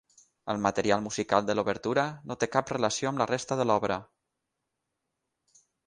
El material musical de l'obertura no té cap relació amb la resta de l'obra.